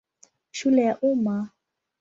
Shule ya Umma.